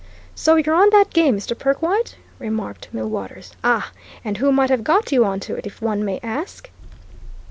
"So you're on that game, Mr. Perkwite?" remarked Millwaters. "Ah! And who might have got you on to it, if one may ask?"